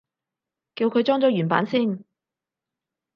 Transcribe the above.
叫佢裝咗原版先